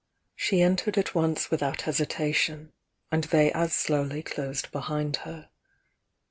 She entered at once without hesitation, and they as slowly closed behind her.